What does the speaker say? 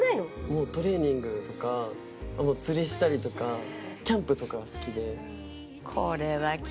もうトレーニングとか釣りしたりとかキャンプとかが好きで。